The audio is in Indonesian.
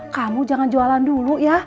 kamu jangan jualan dulu ya